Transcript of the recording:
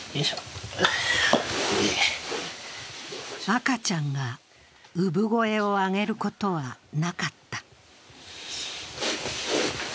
赤ちゃんが産声を上げることはなかった。